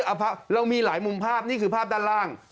ต้องมีหลายมุมภาพนี่คือภาพด้านล่าง